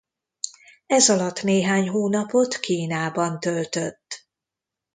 Ezalatt néhány hónapot Kínában töltött.